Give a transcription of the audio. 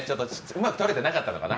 うまく撮れてなかったのかな。